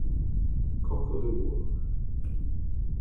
Cock o' the Walk